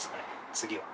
次は。